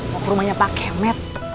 mau ke rumahnya pak kemet